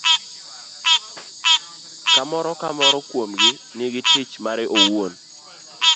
ka moro ka moro kuomgi nigi tich mare owuon.